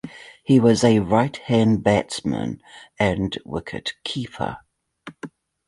He was a right hand batsman and wicket-keeper.